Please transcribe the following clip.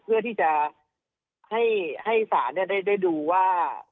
เพื่อที่จะให้ศาลได้ดูว่า